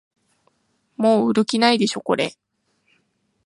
もう売る気ないでしょこれ